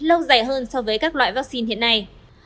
lâu dài hơn so với các loại vaccine hiện nay